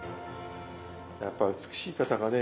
やっぱ美しい方がね